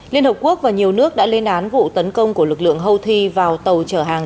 liên hợp quốc và nhiều nước đã lên án vụ tấn công của lực lượng houthi vào tàu chở hàng